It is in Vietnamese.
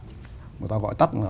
người ta gọi tắt